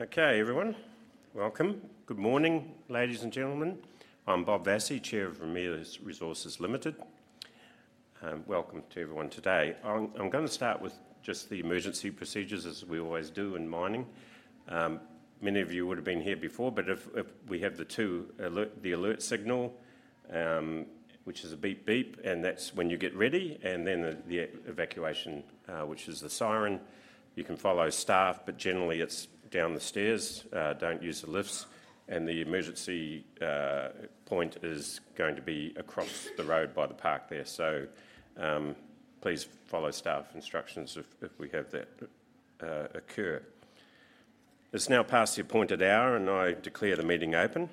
Okay, everyone. Welcome. Good morning, ladies and gentlemen. I'm Bob Vassie, Chair of Ramelius Resources Limited. Welcome to everyone today. I'm going to start with just the emergency procedures, as we always do in mining. Many of you would have been here before, but if we have the two alert-the alert signal, which is a beep-beep, and that's when you get ready, and then the evacuation, which is the siren. You can follow staff, but generally it's down the stairs. Don't use the lifts, and the emergency point is going to be across the road by the park there, so please follow staff instructions if we have that occur. It's now past the appointed hour, and I declare the meeting open.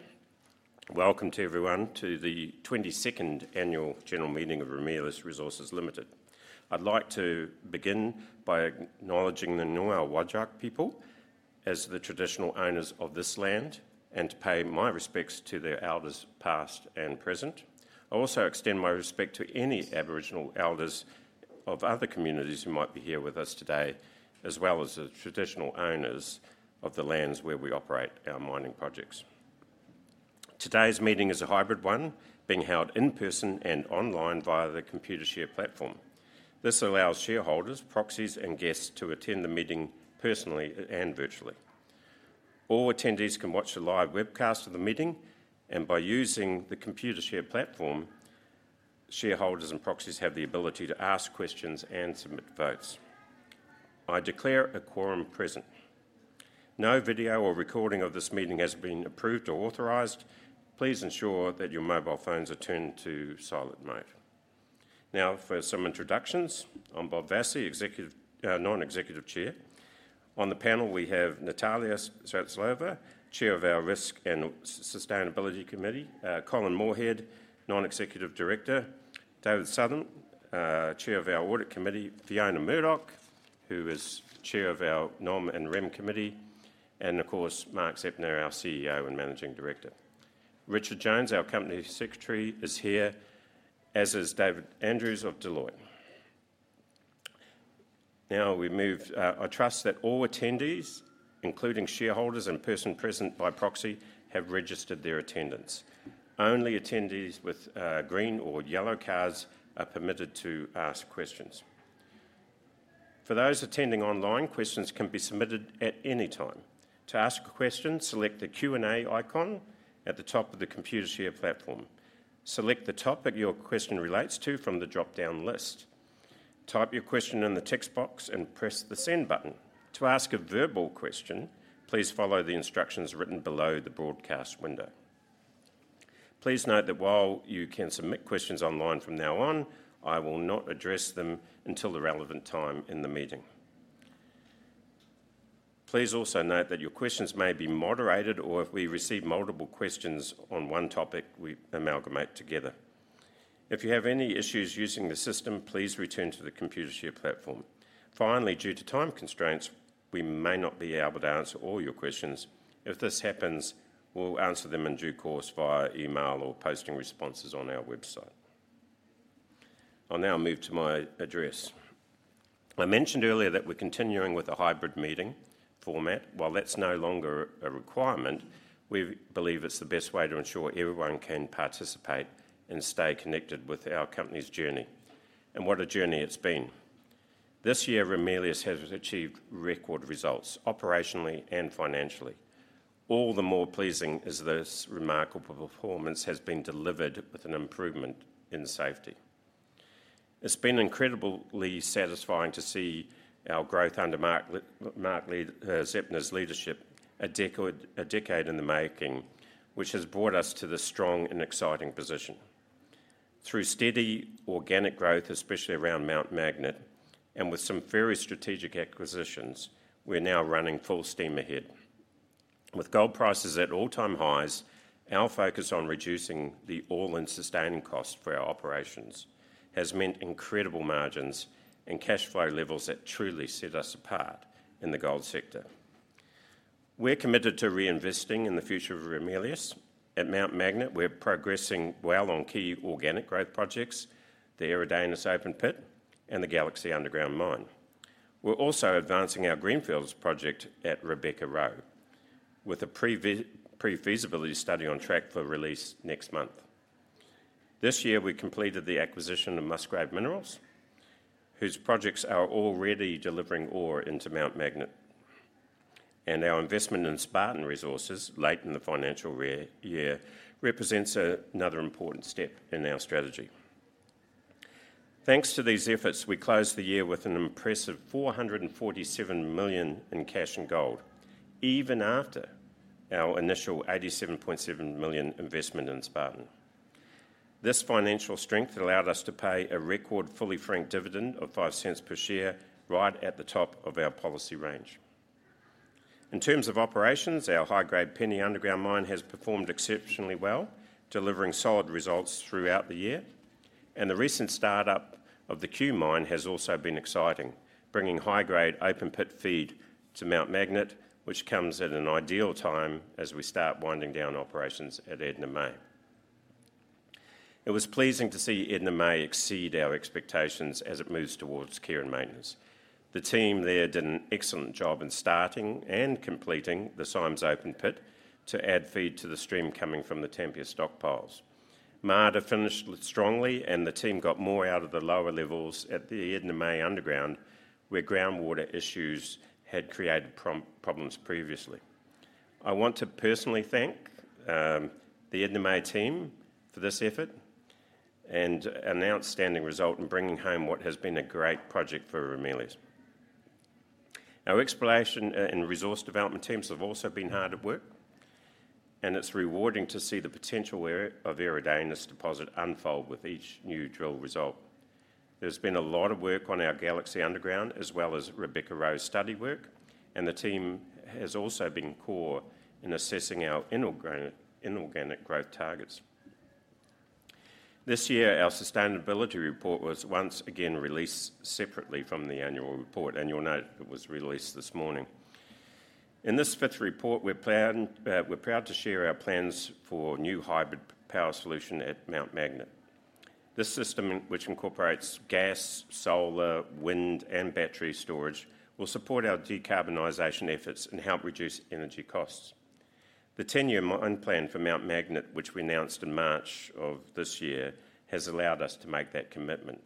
Welcome to everyone to the 22nd Annual General Meeting of Ramelius Resources Limited. I'd like to begin by acknowledging the Noongar Whadjuk people as the traditional owners of this land and to pay my respects to their elders, past and present. I also extend my respect to any Aboriginal elders of other communities who might be here with us today, as well as the traditional owners of the lands where we operate our mining projects. Today's meeting is a hybrid one, being held in person and online via the Computershare platform. This allows shareholders, proxies, and guests to attend the meeting personally and virtually. All attendees can watch a live webcast of the meeting, and by using the Computershare platform, shareholders and proxies have the ability to ask questions and submit votes. I declare a quorum present. No video or recording of this meeting has been approved or authorized. Please ensure that your mobile phones are turned to silent mode. Now for some introductions. I'm Bob Vassie, Non-Executive Chair. On the panel, we have Natalia Streltsova, Chair of our Risk and Sustainability Committee, Colin Moorhead, Non-Executive Director, David Southam, Chair of our Audit Committee, Fiona Murdoch, who is Chair of our Nom and Rem Committee, and of course, Mark Zeptner, our CEO and Managing Director. Richard Jones, our Company Secretary, is here, as is David Andrews of Deloitte. Now we move. I trust that all attendees, including shareholders and persons present by proxy, have registered their attendance. Only attendees with green or yellow cards are permitted to ask questions. For those attending online, questions can be submitted at any time. To ask a question, select the Q&A icon at the top of the Computershare platform. Select the topic your question relates to from the drop-down list. Type your question in the text box and press the send button. To ask a verbal question, please follow the instructions written below the broadcast window. Please note that while you can submit questions online from now on, I will not address them until the relevant time in the meeting. Please also note that your questions may be moderated, or if we receive multiple questions on one topic, we amalgamate together. If you have any issues using the system, please return to the Computershare platform. Finally, due to time constraints, we may not be able to answer all your questions. If this happens, we'll answer them in due course via email or posting responses on our website. I'll now move to my address. I mentioned earlier that we're continuing with a hybrid meeting format. While that's no longer a requirement, we believe it's the best way to ensure everyone can participate and stay connected with our company's journey and what a journey it's been. This year, Ramelius has achieved record results operationally and financially. All the more pleasing as this remarkable performance has been delivered with an improvement in safety. It's been incredibly satisfying to see our growth under Mark Zeptner's leadership, a decade in the making, which has brought us to this strong and exciting position. Through steady organic growth, especially around Mount Magnet, and with some very strategic acquisitions, we're now running full steam ahead. With gold prices at all-time highs, our focus on reducing the all-in sustaining cost for our operations has meant incredible margins and cash flow levels that truly set us apart in the gold sector. We're committed to reinvesting in the future of Ramelius. At Mount Magnet, we're progressing well on key organic growth projects: the Eridanus open pit and the Galaxy underground mine. We're also advancing our greenfields project at Rebecca-Roe, with a pre-feasibility study on track for release next month. This year, we completed the acquisition of Musgrave Minerals, whose projects are already delivering ore into Mount Magnet. And our investment in Spartan Resources, late in the financial year, represents another important step in our strategy. Thanks to these efforts, we closed the year with an impressive 447 million in cash and gold, even after our initial 87.7 million investment in Spartan. This financial strength allowed us to pay a record fully franked dividend of 0.05 per share, right at the top of our policy range. In terms of operations, our high-grade Penny underground mine has performed exceptionally well, delivering solid results throughout the year. And the recent startup of the Cue mine has also been exciting, bringing high-grade open pit feed to Mount Magnet, which comes at an ideal time as we start winding down operations at Edna May. It was pleasing to see Edna May exceed our expectations as it moves towards care and maintenance. The team there did an excellent job in starting and completing the Symes open pit to add feed to the stream coming from the Tampia stockpiles. Marda finished strongly, and the team got more out of the lower levels at the Edna May underground, where groundwater issues had created problems previously. I want to personally thank the Edna May team for this effort and an outstanding result in bringing home what has been a great project for Ramelius. Our exploration and resource development teams have also been hard at work, and it's rewarding to see the potential of Eridanus deposit unfold with each new drill result. There's been a lot of work on our Galaxy Underground, as well as Rebecca and Roe's study work, and the team has also been core in assessing our inorganic growth targets. This year, our sustainability report was once again released separately from the annual report, and you'll note it was released this morning. In this fifth report, we're proud to share our plans for a new hybrid power solution at Mount Magnet. This system, which incorporates gas, solar, wind, and battery storage, will support our decarbonization efforts and help reduce energy costs. The 10-year mine plan for Mount Magnet, which we annozd in March of this year, has allowed us to make that commitment.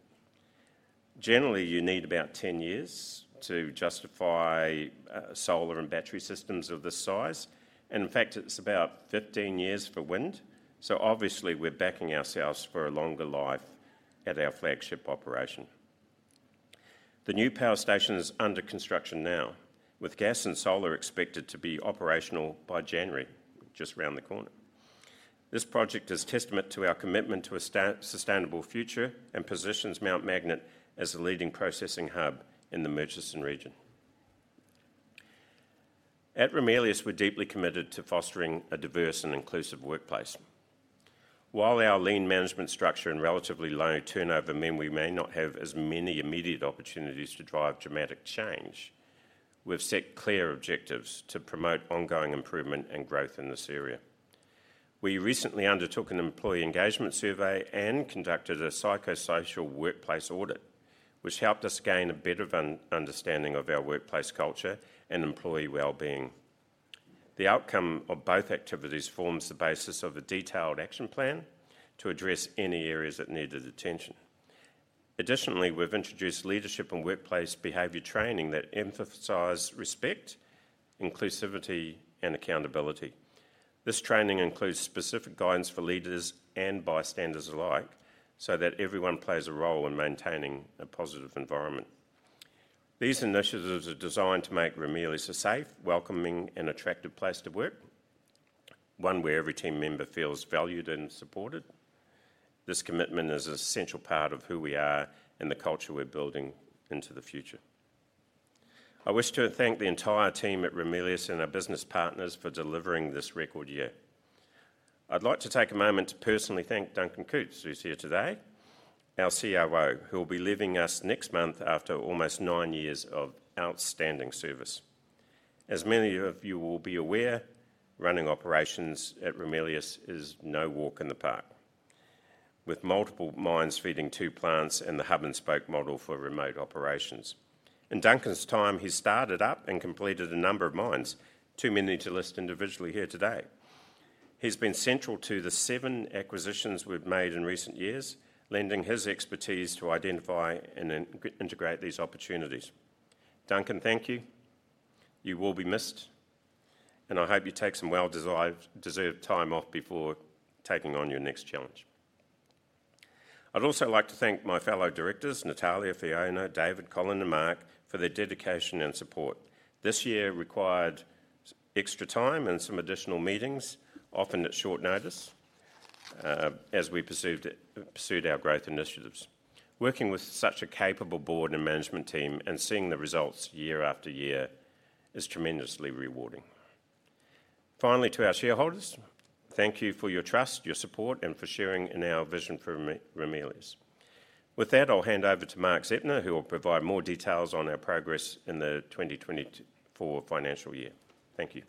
Generally, you need about 10 years to justify solar and battery systems of this size. In fact, it's about 15 years for wind. Obviously, we're backing ourselves for a longer life at our flagship operation. The new power station is under construction now, with gas and solar expected to be operational by January, just around the corner. This project is a testament to our commitment to a sustainable future and positions Mount Magnet as a leading processing hub in the Murchison region. At Ramelius, we're deeply committed to fostering a diverse and inclusive workplace. While our lean management structure and relatively low turnover mean we may not have as many immediate opportunities to drive dramatic change, we've set clear objectives to promote ongoing improvement and growth in this area. We recently undertook an employee engagement survey and conducted a psychosocial workplace audit, which helped us gain a better understanding of our workplace culture and employee well-being. The outcome of both activities forms the basis of a detailed action plan to address any areas that needed attention. Additionally, we've introduced leadership and workplace behavior training that emphasizes respect, inclusivity, and accountability. This training includes specific guidance for leaders and bystanders alike so that everyone plays a role in maintaining a positive environment. These initiatives are designed to make Ramelius a safe, welcoming, and attractive place to work, one where every team member feels valued and supported. This commitment is an essential part of who we are and the culture we're building into the future. I wish to thank the entire team at Ramelius and our business partners for delivering this record year. I'd like to take a moment to personally thank Duncan Coutts, who's here today, our COO, who will be leaving us next month after almost nine years of outstanding service. As many of you will be aware, running operations at Ramelius is no walk in the park, with multiple mines feeding two plants and the hub and spoke model for remote operations. In Duncan's time, he started up and completed a number of mines, too many to list individually here today. He's been central to the seven acquisitions we've made in recent years, lending his expertise to identify and integrate these opportunities. Duncan, thank you. You will be missed, and I hope you take some well-deserved time off before taking on your next challenge. I'd also like to thank my fellow directors, Natalia, Fiona, David, Colin, and Mark, for their dedication and support. This year required extra time and some additional meetings, often at short notice, as we pursued our growth initiatives. Working with such a capable board and management team and seeing the results year after year is tremendously rewarding. Finally, to our shareholders, thank you for your trust, your support, and for sharing in our vision for Ramelius. With that, I'll hand over to Mark Zeptner, who will provide more details on our progress in the 2024 financial year. Thank you.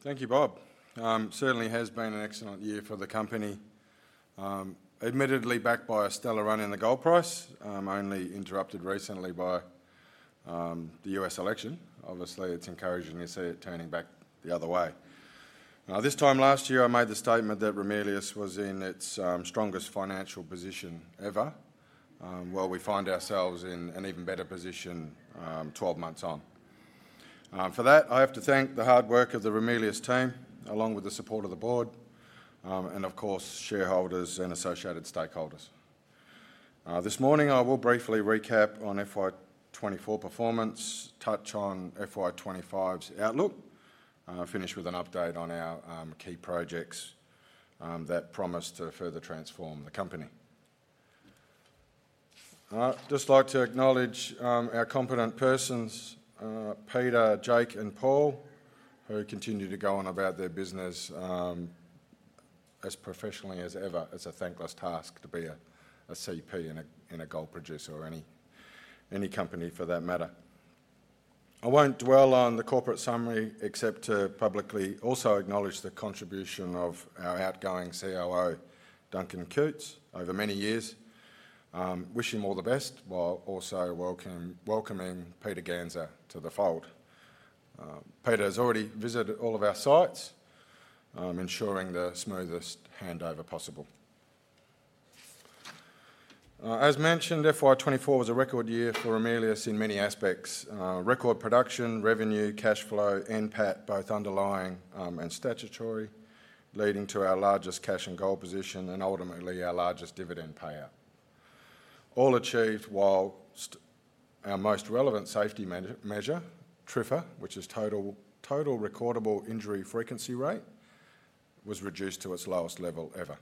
Thank you, Bob. It certainly has been an excellent year for the company. Admittedly, backed by a stellar run in the gold price, only interrupted recently by the U.S. election, obviously it's encouraging to see it turning back the other way. This time last year, I made the statement that Ramelius was in its strongest financial position ever, while we find ourselves in an even better position 12 months on. For that, I have to thank the hard work of the Ramelius team, along with the support of the board, and of course, shareholders and associated stakeholders. This morning, I will briefly recap on FY 2024 performance, touch on FY 2025's outlook, finish with an update on our key projects that promise to further transform the company. I'd just like to acknowledge our Competent Persons, Peter, Jake, and Paul, who continue to go on about their business as professionally as ever. It's a thankless task to be a CP in a gold producer, or any company for that matter. I won't dwell on the corporate summary except to publicly also acknowledge the contribution of our outgoing COO, Duncan Coutts, over many years. Wish him all the best, while also welcoming Peter Ruzicka to the fold. Peter has already visited all of our sites, ensuring the smoothest handover possible. As mentioned, FY 2024 was a record year for Ramelius in many aspects: record production, revenue, cash flow, and PAT, both underlying and statutory, leading to our largest cash and gold position, and ultimately our largest dividend payout. All achieved whilst our most relevant safety measure, TRIFR, which is total recordable injury frequency rate, was reduced to its lowest level ever.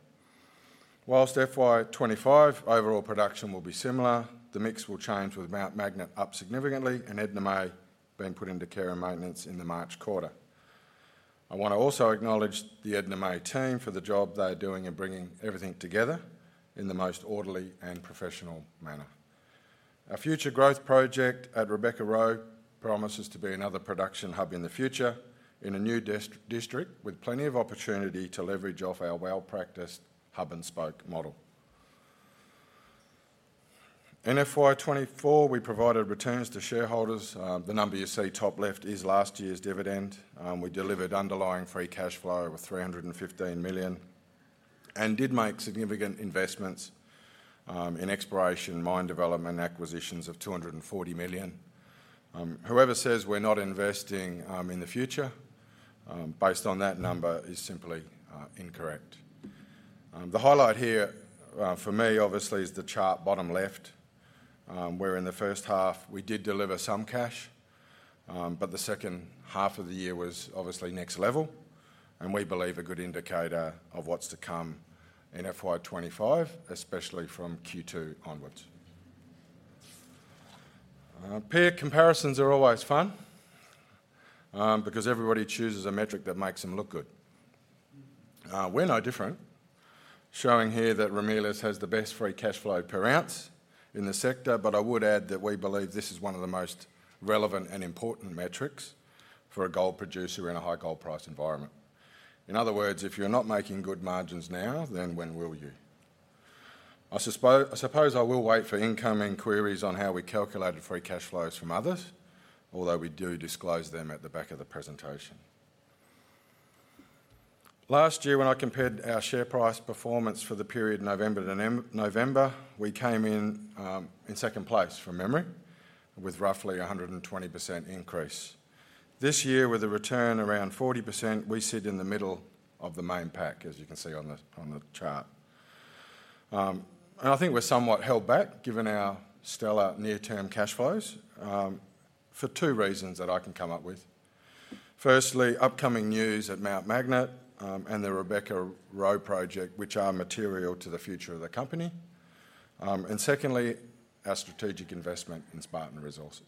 Whilst FY 2025, overall production will be similar. The mix will change with Mount Magnet up significantly, and Edna May being put into care and maintenance in the March quarter. I want to also acknowledge the Edna May team for the job they're doing in bringing everything together in the most orderly and professional manner. Our future growth project at Rebecca-Roe promises to be another production hub in the future in a new district with plenty of opportunity to leverage off our well-practiced hub and spoke model. In FY 2024, we provided returns to shareholders. The number you see top left is last year's dividend. We delivered underlying free cash flow of 315 million and did make significant investments in exploration, mine development, and acquisitions of 240 million. Whoever says we're not investing in the future based on that number is simply incorrect. The highlight here for me, obviously is the chart bottom left, where in the H1 we did deliver some cash, but the H2 of the year was obviously next level, and we believe a good indicator of what's to come in FY 2025, especially from Q2 onwards. Peer comparisons are always fun because everybody chooses a metric that makes them look good. We're no different, showing here that Ramelius has the best free cash flow per oz in the sector, but I would add that we believe this is one of the most relevant and important metrics for a gold producer in a high gold price environment. In other words, if you're not making good margins now, then when will you? I suppose I will wait for incoming queries on how we calculated free cash flows from others, although we do disclose them at the back of the presentation. Last year, when I compared our share price performance for the period November to November, we came in in second place from memory with roughly a 120% increase. This year, with a return around 40%, we sit in the middle of the main pack, as you can see on the chart. And I think we're somewhat held back given our stellar near-term cash flows for two reasons that I can come up with. Firstly, upcoming news at Mount Magnet and the Rebecca-Roe project, which are material to the future of the company. And secondly, our strategic investment in Spartan Resources.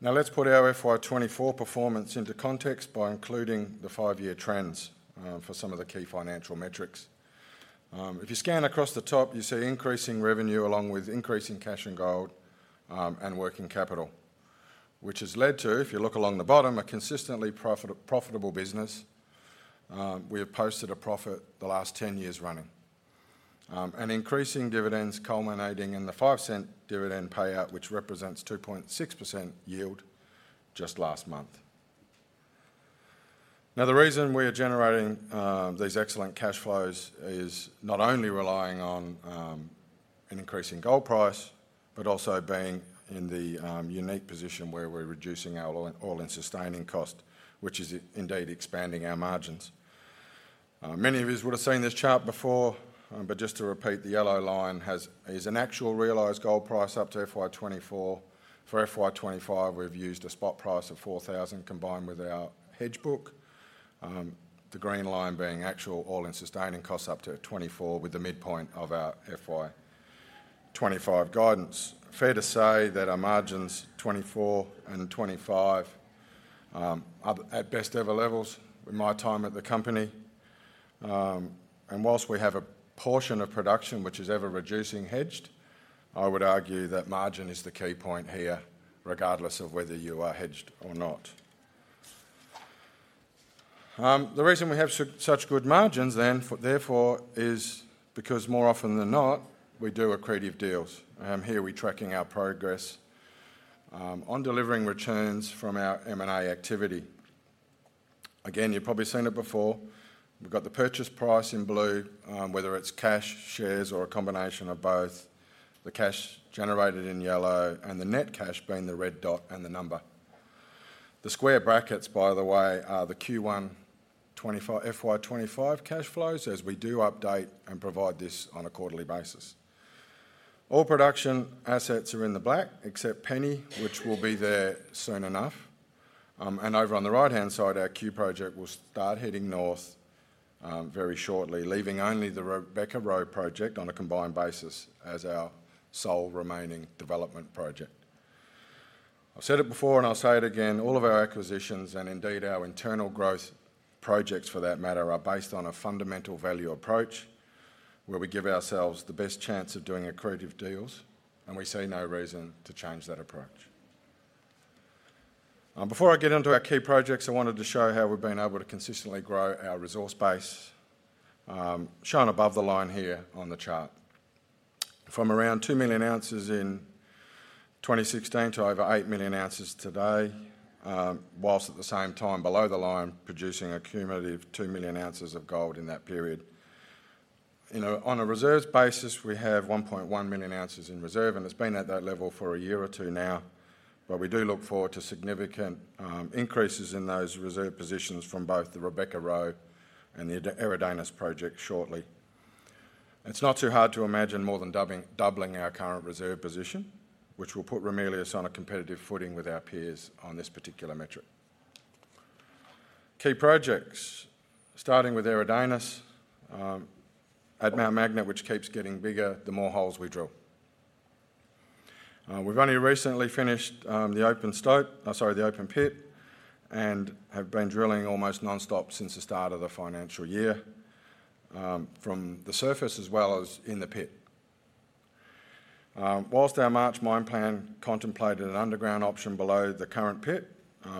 Now, let's put our FY 2024 performance into context by including the five year trends for some of the key financial metrics. If you scan across the top, you see increasing revenue along with increasing cash and gold and working capital, which has led to, if you look along the bottom, a consistently profitable business. We have posted a profit the last 10 years running and increasing dividends culminating in the 5% dividend payout, which represents 2.6% yield just last month. Now, the reason we are generating these excellent cash flows is not only relying on an increasing gold price, but also being in the unique position where we're reducing our all-in sustaining cost, which is indeed expanding our margins. Many of you would have seen this chart before, but just to repeat, the yellow line is an actual realized gold price up to FY 2024. For FY 2025, we've used a spot price of 4,000 combined with our hedge book, the green line being actual all-in sustaining costs up to FY 2024 with the midpoint of our FY 2025 guidance. Fair to say that our margins FY 2024 and FY 2025 are at best ever levels with my time at the company. Whilst we have a portion of production which is ever reducing hedged, I would argue that margin is the key point here, regardless of whether you are hedged or not. The reason we have such good margins, therefore, is because more often than not, we do accretive deals. Here we're tracking our progress on delivering returns from our M&A activity. Again, you've probably seen it before. We've got the purchase price in blue, whether it's cash, shares, or a combination of both. The cash generated in yellow and the net cash being the red dot and the number. The square brackets, by the way, are the Q1 FY 2025 cash flows as we do update and provide this on a quarterly basis. All production assets are in the black except Penny, which will be there soon enough, and over on the right-hand side, our Cue project will start heading north very shortly, leaving only the Rebecca-Roe project on a combined basis as our sole remaining development project. I've said it before and I'll say it again. All of our acquisitions and indeed our internal growth projects for that matter are based on a fundamental value approach where we give ourselves the best chance of doing accretive deals, and we see no reason to change that approach. Before I get into our key projects, I wanted to show how we've been able to consistently grow our resource base, shown above the line here on the chart. From around two million oz in 2016 to over eight million oz today, while at the same time below the line producing a cumulative two million oz of gold in that period. On a reserves basis, we have 1.1 million oz in reserve, and it's been at that level for a year or two now, but we do look forward to significant increases in those reserve positions from both the Rebecca-Roe and the Eridanus project shortly. It's not too hard to imagine more than doubling our current reserve position, which will put Ramelius on a competitive footing with our peers on this particular metric. Key projects, starting with Eridanus at Mount Magnet, which keeps getting bigger the more holes we drill. We've only recently finished the open pit and have been drilling almost non-stop since the start of the financial year from the surface as well as in the pit. Whilst our March mine plan contemplated an underground option below the current pit,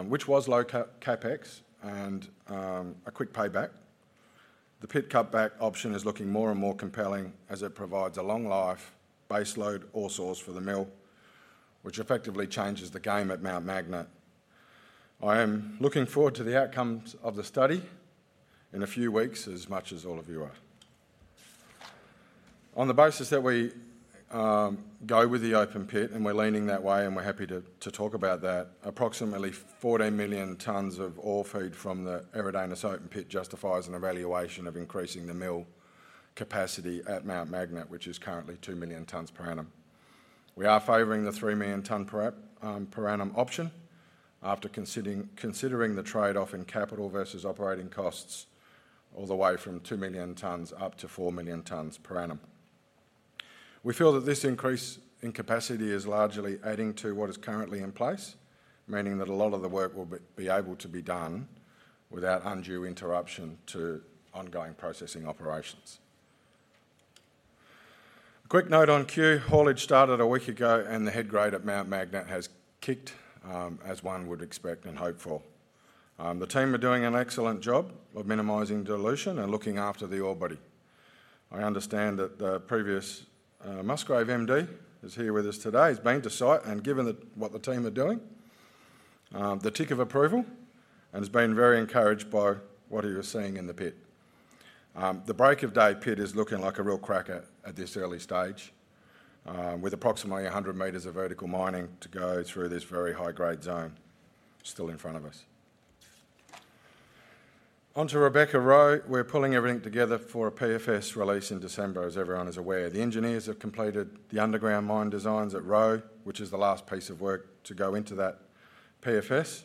which was low CapEx and a quick payback, the pit cutback option is looking more and more compelling as it provides a long-life baseload ore source for the mill, which effectively changes the game at Mount Magnet. I am looking forward to the outcomes of the study in a few weeks as much as all of you are. On the basis that we go with the open pit and we're leaning that way, and we're happy to talk about that, approximately 14 million tons of ore feed from the Eridanus open pit justifies an evaluation of increasing the mill capacity at Mount Magnet, which is currently 2 million tons per annum. We are favoring the 3 million tonne per annum option after considering the trade-off in capital versus operating costs all the way from 2 million tons up to 4 million tons per annum. We feel that this increase in capacity is largely adding to what is currently in place, meaning that a lot of the work will be able to be done without undue interruption to ongoing processing operations. Quick note on Cue. Haulage started a week ago, and the head grade at Mount Magnet has kicked as one would expect and hope for. The team are doing an excellent job of minimizing dilution and looking after the ore body. I understand that the previous Musgrave MD is here with us today. He's been to site and given what the team are doing, the tick of approval, and has been very encouraged by what he was seeing in the pit. The Break of Day pit is looking like a real cracker at this early stage, with approximately 100 meters of vertical mining to go through this very high-grade zone still in front of us. Onto Rebecca-Roe. We're pulling everything together for a PFS release in December, as everyone is aware. The engineers have completed the underground mine designs at Roe, which is the last piece of work to go into that PFS,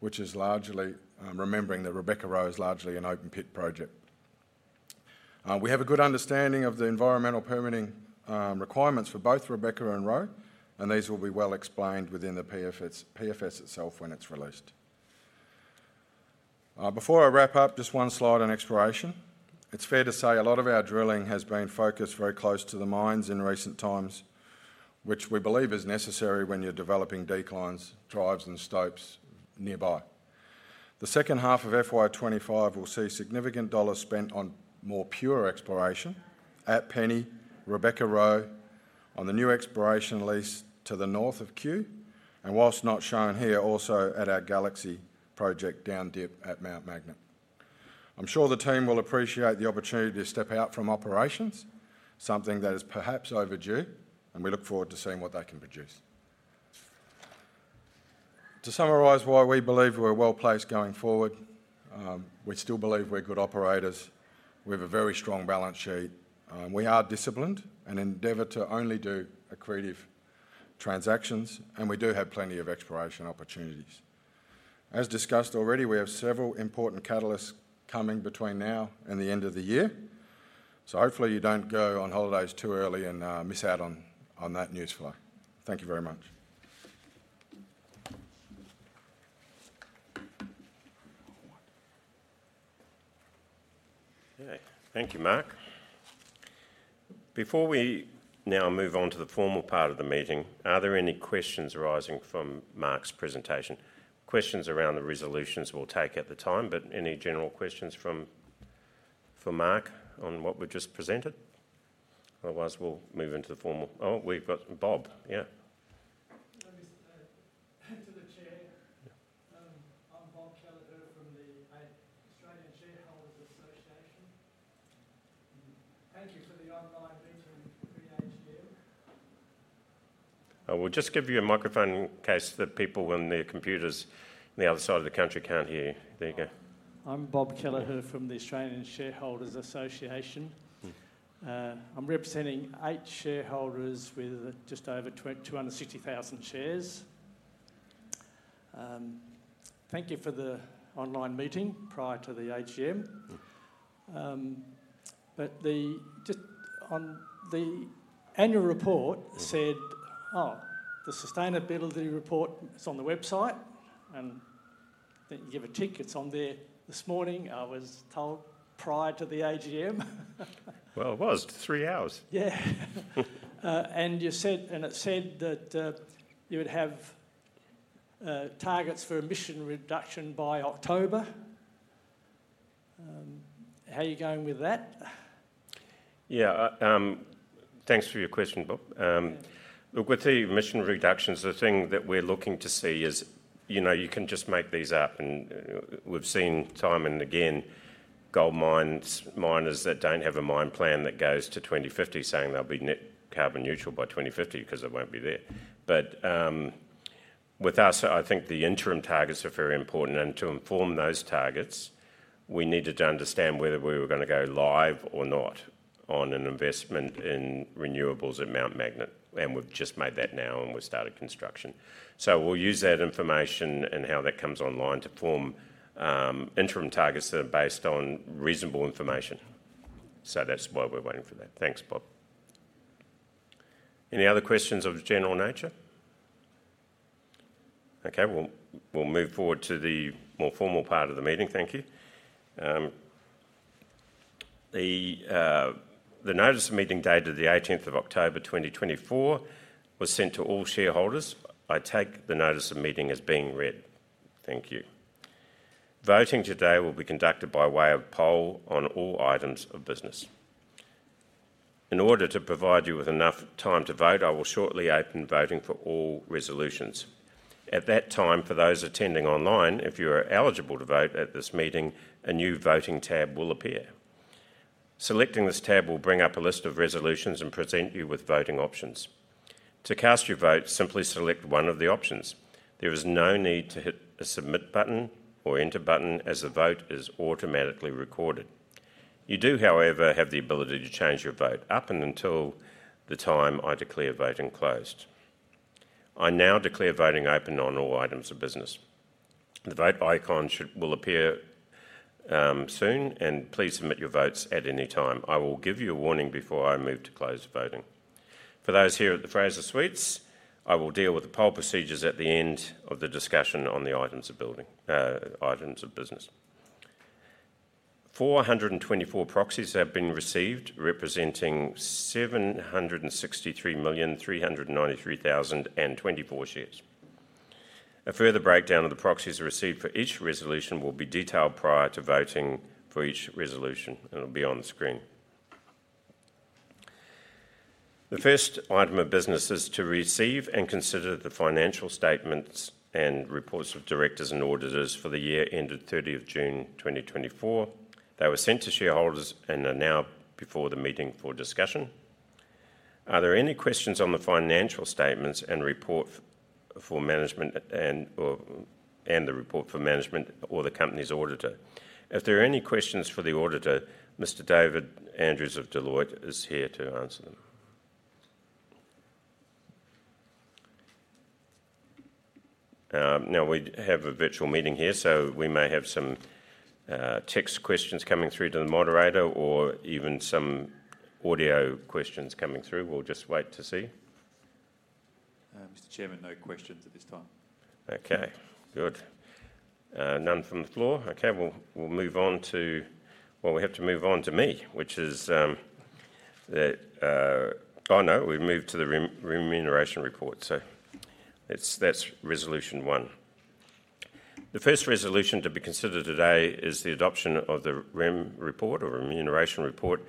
which is largely, remember, that Rebecca-Roe is largely an open pit project. We have a good understanding of the environmental permitting requirements for both Rebecca and Roe, and these will be well explained within the PFS itself when it's released. Before I wrap up, just one slide on exploration. It's fair to say a lot of our drilling has been focused very close to the mines in recent times, which we believe is necessary when you're developing declines, drives, and stopes nearby. The H2 of FY 2025 will see significant dollars spent on more pure exploration at Penny, Rebecca, Roe, on the new exploration lease to the north of Cue, and while not shown here, also at our Galaxy project down deep at Mount Magnet. I'm sure the team will appreciate the opportunity to step out from operations, something that is perhaps overdue, and we look forward to seeing what they can produce. To summarize why we believe we're well placed going forward, we still believe we're good operators. We have a very strong balance sheet. We are disciplined and endeavor to only do accretive transactions, and we do have plenty of exploration opportunities. As discussed already, we have several important catalysts coming between now and the end of the year, so hopefully you don't go on holidays too early and miss out on that news flow. Thank you very much. Thank you, Mark. Before we now move on to the formal part of the meeting, are there any questions arising from Mark's presentation? Questions around the resolutions we'll take at the time, but any general questions for Mark on what we've just presented? Otherwise, we'll move into the formal. Oh, we've got Bob. Yeah. To the Chair, I'm Bob Kelleher from the Australian Shareholders Association. Thank you for the online meeting through AGM. I will just give you a microphone in case the people on their computers on the other side of the country can't hear. There you go. I'm Bob Kelleher from the Australian Shareholders Association. I'm representing eight shareholders with just over 260,000 shares. Thank you for the online meeting prior to the AGM, but just on the annual report said, oh, the sustainability report, it's on the website, and you give a tick, it's on there this morning. I was told prior to the AGM. It was three hours. Yeah. And it said that you would have targets for emission reduction by October. How are you going with that? Yeah. Thanks for your question, Bob. Look, we'll tell you, emission reductions, the thing that we're looking to see is you can just make these up, and we've seen time and again gold miners that don't have a mine plan that goes to 2050 saying they'll be net carbon neutral by 2050 because they won't be there. But with us, I think the interim targets are very important, and to inform those targets, we needed to understand whether we were going to go live or not on an investment in renewables at Mount Magnet, and we've just made that now and we've started construction. So we'll use that information and how that comes online to form interim targets that are based on reasonable information. So that's why we're waiting for that. Thanks, Bob. Any other questions of general nature? Okay. We'll move forward to the more formal part of the meeting. Thank you. The notice of meeting dated the 18th of October, 2024, was sent to all shareholders. I take the notice of meeting as being read. Thank you. Voting today will be conducted by way of poll on all items of business. In order to provide you with enough time to vote, I will shortly open voting for all resolutions. At that time, for those attending online, if you are eligible to vote at this meeting, a new voting tab will appear. Selecting this tab will bring up a list of resolutions and present you with voting options. To cast your vote, simply select one of the options. There is no need to hit a submit button or enter button as the vote is automatically recorded. You do, however, have the ability to change your vote up and until the time I declare voting closed. I now declare voting open on all items of business. The vote icon will appear soon, and please submit your votes at any time. I will give you a warning before I move to close the voting. For those here at the Fraser Suites, I will deal with the poll procedures at the end of the discussion on the items of business. 424 proxies have been received representing 763,393,024 shares. A further breakdown of the proxies received for each resolution will be detailed prior to voting for each resolution, and it'll be on the screen. The first item of business is to receive and consider the financial statements and reports of directors and auditors for the year ended 30th June 2024. They were sent to shareholders and are now before the meeting for discussion. Are there any questions on the financial statements and report for management and the report for management or the company's auditor? If there are any questions for the auditor, Mr. David Andrews of Deloitte is here to answer them. Now we have a virtual meeting here, so we may have some text questions coming through to the moderator or even some audio questions coming through. We'll just wait to see. Mr. Chairman, no questions at this time. Okay. Good. None from the floor. Okay. We'll move on to, well, we have to move on to me, which is that I know we've moved to the remuneration report, so that's resolution one. The first resolution to be considered today is the adoption of the Rem report or remuneration report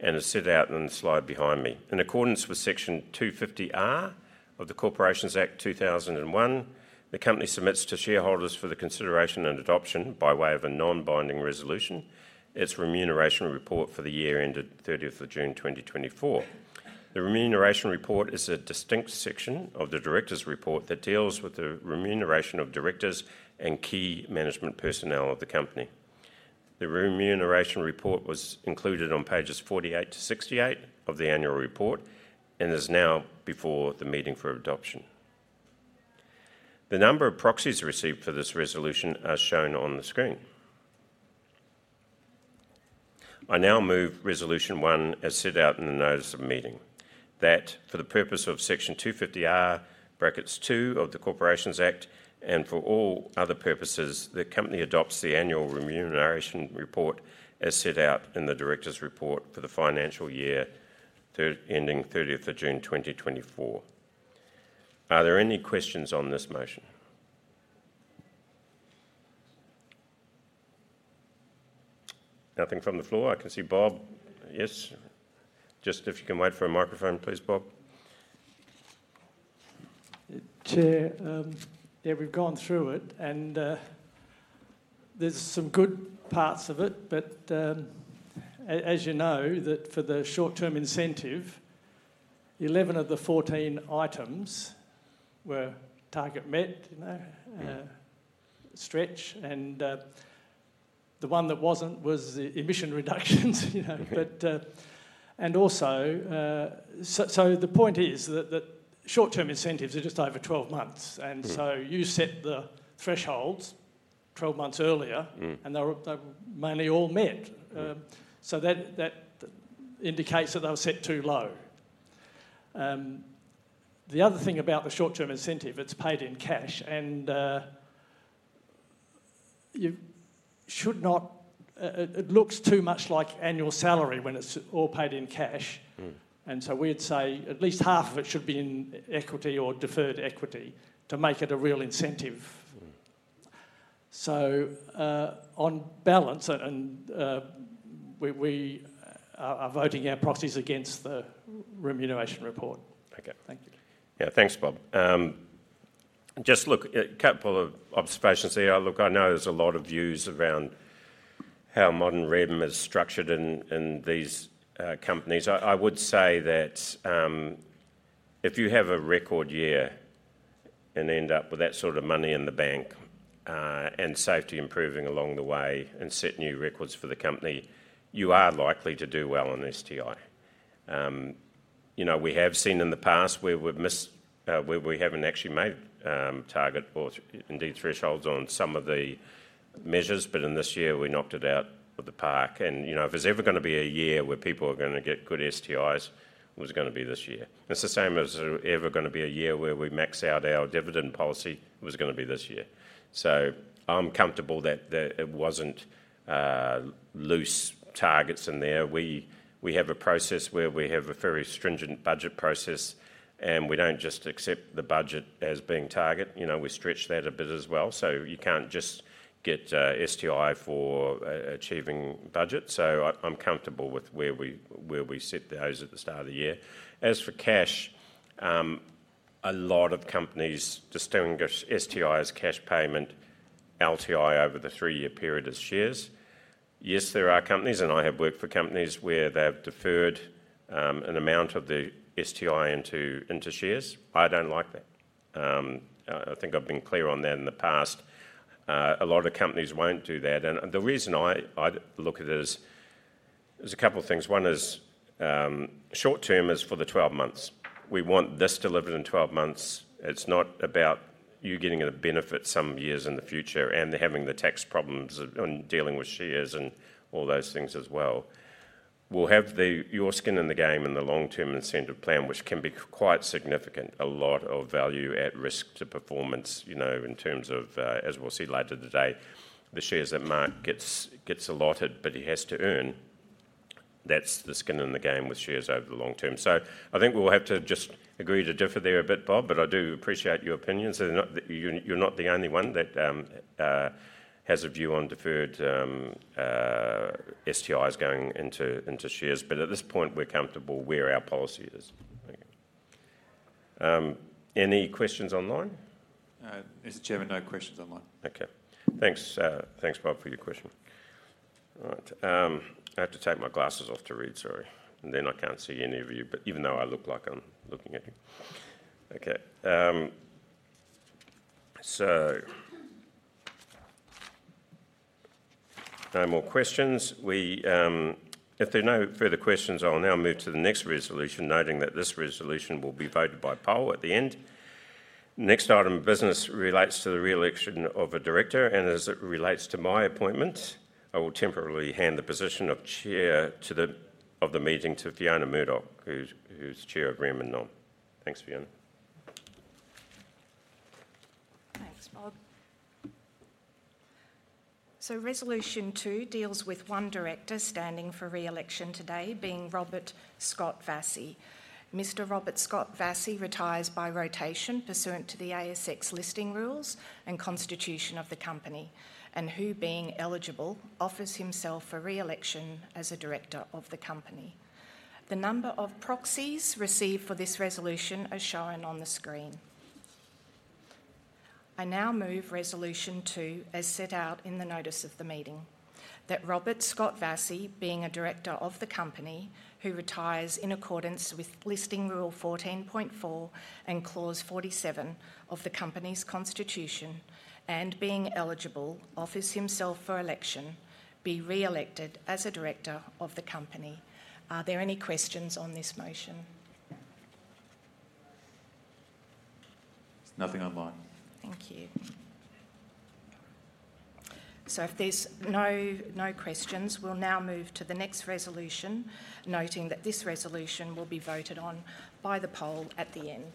and is set out on the slide behind me. In accordance with Section 250R of the Corporations Act 2001, the company submits to shareholders for the consideration and adoption by way of a non-binding resolution its remuneration report for the year ended 30th of June 2024. The remuneration report is a distinct section of the directors' report that deals with the remuneration of directors and key management personnel of the company. The remuneration report was included on pages 48-68 of the annual report and is now before the meeting for adoption. The number of proxies received for this resolution are shown on the screen. I now move resolution one as set out in the notice of meeting that for the purpose of Section 250R(2) of the Corporations Act and for all other purposes, the company adopts the annual remuneration report as set out in the directors' report for the financial year ending 30th of June 2024. Are there any questions on this motion? Nothing from the floor. I can see Bob. Yes. Just if you can wait for a microphone, please, Bob. Chair, yeah, we've gone through it, and there's some good parts of it, but as you know, for the short-term incentive, 11 of the 14 items were target met, stretch, and the one that wasn't was emission reductions. And also, so the point is that short-term incentives are just over 12 months, and so you set the thresholds 12 months earlier, and they were mainly all met. So that indicates that they were set too low. The other thing about the short-term incentive, it's paid in cash, and it looks too much like annual salary when it's all paid in cash. And so we'd say at least half of it should be in equity or deferred equity to make it a real incentive. So on balance, we are voting our proxies against the remuneration report. Okay. Thank you. Yeah. Thanks, Bob. Just look, a couple of observations here. Look, I know there's a lot of views around how modern REM is structured in these companies. I would say that if you have a record year and end up with that sort of money in the bank and safety improving along the way and set new records for the company, you are likely to do well on STI. We have seen in the past where we haven't actually made target or indeed thresholds on some of the measures, but in this year, we knocked it out of the park, and if there's ever going to be a year where people are going to get good STIs, it was going to be this year. It's the same as ever, going to be a year where we max out our dividend policy. It was going to be this year. I'm comfortable that it wasn't loose targets in there. We have a process where we have a very stringent budget process, and we don't just accept the budget as being target. We stretch that a bit as well. So you can't just get STI for achieving budget. So I'm comfortable with where we set those at the start of the year. As for cash, a lot of companies distinguish STI as cash payment, LTI over the three year period as shares. Yes, there are companies, and I have worked for companies where they've deferred an amount of the STI into shares. I don't like that. I think I've been clear on that in the past. A lot of companies won't do that. And the reason I look at it is there's a couple of things. One is short-term is for the 12 months. We want this delivered in 12 months. It's not about you getting a benefit some years in the future and having the tax problems and dealing with shares and all those things as well. We'll have your skin in the game in the long-term incentive plan, which can be quite significant, a lot of value at risk to performance in terms of, as we'll see later today, the shares that Mark gets allotted, but he has to earn. That's the skin in the game with shares over the long term. So I think we'll have to just agree to differ there a bit, Bob, but I do appreciate your opinions. You're not the only one that has a view on deferred STIs going into shares, but at this point, we're comfortable where our policy is. Any questions online? Mr. Chairman, no questions online. Okay. Thanks, Bob, for your question. All right. I have to take my glasses off to read, sorry. Then I can't see any of you, but even though I look like I'm looking at you. Okay. So no more questions. If there are no further questions, I'll now move to the next resolution, noting that this resolution will be voted by poll at the end. Next item of business relates to the reelection of a director, and as it relates to my appointment, I will temporarily hand the position of chair of the meeting to Fiona Murdoch, who's chair of REM and NOM. Thanks, Fiona. Thanks, Bob. So resolution two deals with one director standing for reelection today being Robert Scott Vassie. Mr. Robert Scott Vassie retires by rotation pursuant to the ASX listing rules and constitution of the company, and who being eligible offers himself for reelection as a director of the company. The number of proxies received for this resolution is shown on the screen. I now move resolution two as set out in the notice of the meeting that Robert Scott Vassie, being a director of the company who retires in accordance with listing rule 14.4 and clause 47 of the company's constitution and being eligible, offers himself for election, be reelected as a director of the company. Are there any questions on this motion? Nothing online. Thank you. So if there's no questions, we'll now move to the next resolution, noting that this resolution will be voted on by the poll at the end.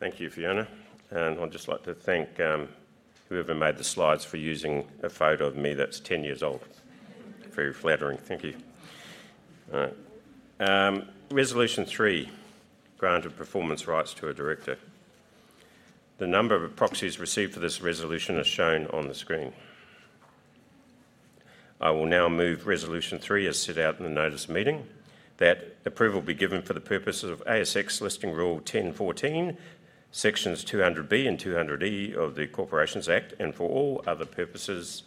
Thank you, Fiona. And I'd just like to thank whoever made the slides for using a photo of me that's 10 years old. Very flattering. Thank you. All right. Resolution three granted performance rights to a director. The number of proxies received for this resolution is shown on the screen. I will now move resolution three as set out in the notice of meeting that approval be given for the purposes of ASX listing rule 10.14, sections 200(b) and 200(e) of the Corporations Act and for all other purposes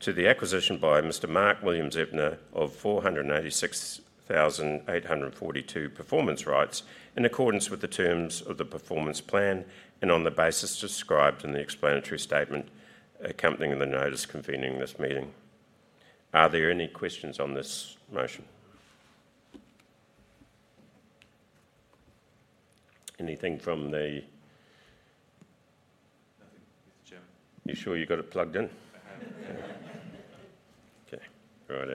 to the acquisition by Mr. Mark William Zeptner of 486,842 performance rights in accordance with the terms of the performance plan and on the basis described in the explanatory statement accompanying the notice convening this meeting. Are there any questions on this motion? Anything from the. Nothing, Mr. Chairman. You sure you got it plugged in? I have. Okay. All right.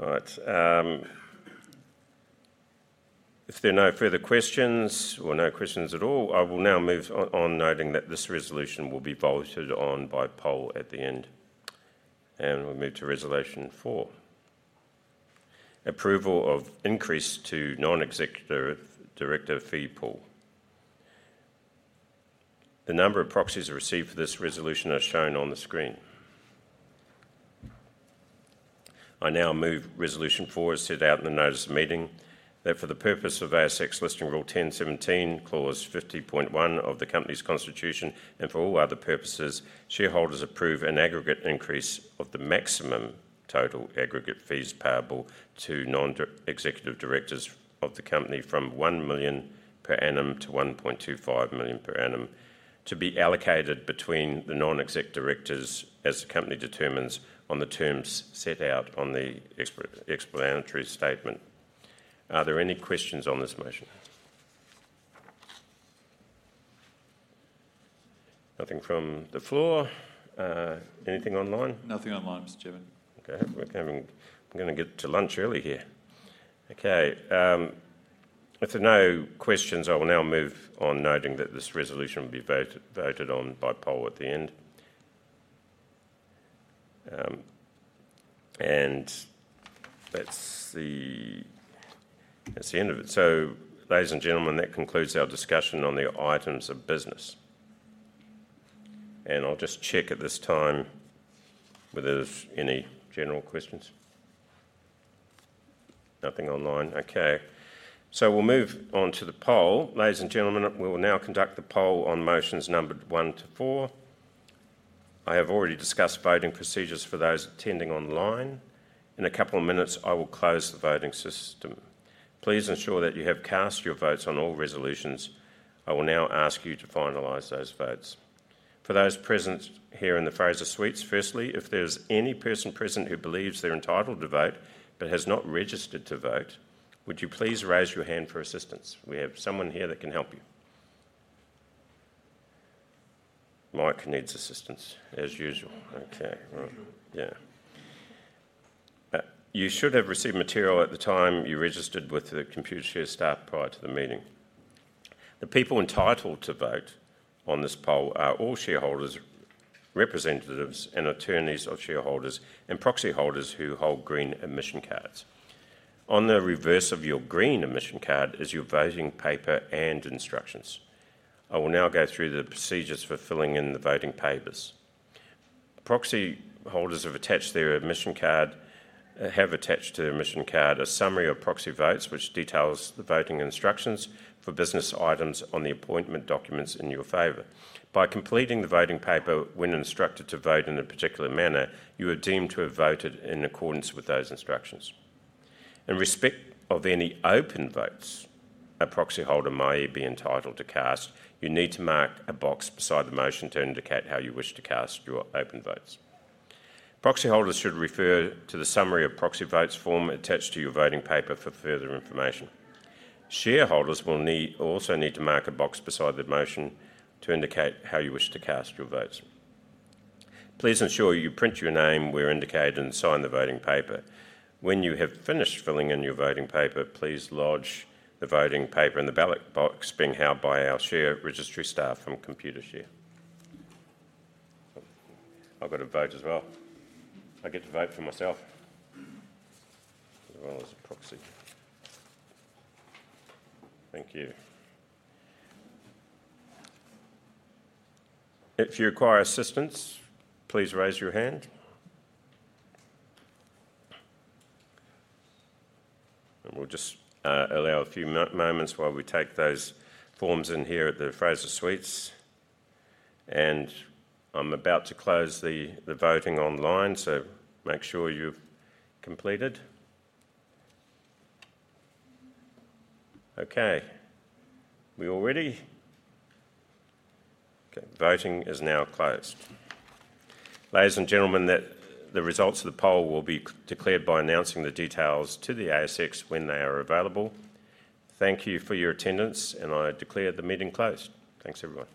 All right. If there are no further questions or no questions at all, I will now move on, noting that this resolution will be voted on by poll at the end. We'll move to resolution four, approval of increase to non-executive director fee pool. The number of proxies received for this resolution is shown on the screen. I now move resolution four as set out in the notice of meeting that for the purpose of ASX listing rule 10.17, clause 50.1 of the company's constitution and for all other purposes, shareholders approve an aggregate increase of the maximum total aggregate fees payable to non-executive directors of the company from one million per annum to 1.25 million per annum to be allocated between the non-exec directors as the company determines on the terms set out on the explanatory statement. Are there any questions on this motion? Nothing from the floor. Anything online? Nothing online, Mr. Chairman. Okay. I'm going to get to lunch early here. Okay. If there are no questions, I will now move on, noting that this resolution will be voted on by poll at the end, and that's the end of it. Ladies and gentlemen, that concludes our discussion on the items of business, and I'll just check at this time whether there's any general questions. Nothing online. Okay, so we'll move on to the poll. Ladies and gentlemen, we will now conduct the poll on motions numbered one to four. I have already discussed voting procedures for those attending online. In a couple of minutes, I will close the voting system. Please ensure that you have cast your votes on all resolutions. I will now ask you to finalize those votes. For those present here in the Fraser Suites, firstly, if there's any person present who believes they're entitled to vote but has not registered to vote, would you please raise your hand for assistance? We have someone here that can help you. Mike needs assistance, as usual. Okay. Individual. Yeah. You should have received material at the time you registered with the Computershare staff prior to the meeting. The people entitled to vote on this poll are all shareholders, representatives, and attorneys of shareholders and proxy holders who hold green admission cards. On the reverse of your green admission card is your voting paper and instructions. I will now go through the procedures for filling in the voting papers. Proxy holders have attached to their admission card a summary of proxy votes, which details the voting instructions for business items on the appointment documents in your favor. By completing the voting paper when instructed to vote in a particular manner, you are deemed to have voted in accordance with those instructions. In respect of any open votes a proxy holder may be entitled to cast, you need to mark a box beside the motion to indicate how you wish to cast your open votes. Proxy holders should refer to the summary of proxy votes form attached to your voting paper for further information. Shareholders will also need to mark a box beside the motion to indicate how you wish to cast your votes. Please ensure you print your name where indicated and sign the voting paper. When you have finished filling in your voting paper, please lodge the voting paper in the ballot box being held by our share registry staff from Computershare. I've got a vote as well. I get to vote for myself as well as a proxy. Thank you. If you require assistance, please raise your hand. We'll just allow a few moments while we take those forms in here at the Fraser Suites. I'm about to close the voting online, so make sure you've completed. Okay. Voting is now closed. Ladies and gentlemen, the results of the poll will be declared by announcing the details to the ASX when they are available. Thank you for your attendance, and I declare the meeting closed. Thanks, everyone.